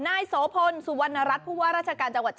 นายสวพนสวรรณรัฐโควรราชกร